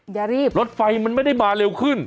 อย่ารีบรถไฟมันไม่ได้มาเร็วขึ้น